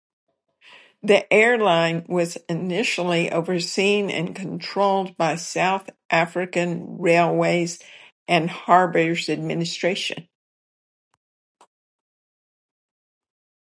The airline was initially overseen and controlled by South African Railways and Harbours Administration.